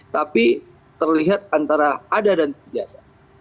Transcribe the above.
tapi terlihat antara ada dan biasa